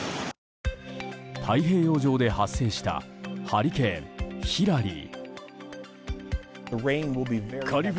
太平洋上で発生したハリケーンヒラリー。